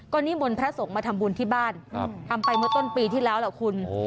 ก็นิ้มวลพระศกมาทำบุญที่บ้านครับทำไปเมื่อต้นปีที่แล้วแหละคุณ